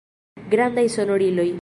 Grandaj sonoriloj.